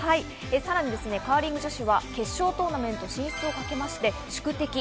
さらにカーリング女子は決勝トーナメント進出をかけまして宿敵